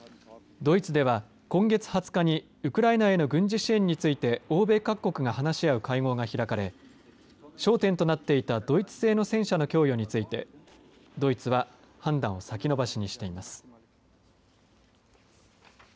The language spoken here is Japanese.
ドイツでは今月２０日にウクライナへの軍事支援について欧米各国が話し合う会合が開かれ焦点となっていたドイツ製の戦車の供与についてドイツは判断を先延ばしにしています。